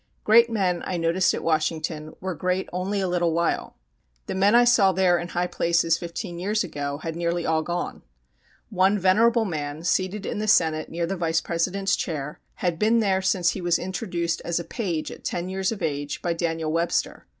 Great men, I noticed at Washington, were great only a little while. The men I saw there in high places fifteen years ago had nearly all gone. One venerable man, seated in the Senate near the Vice President's chair, had been there since he was introduced as a page at 10 years of age by Daniel Webster.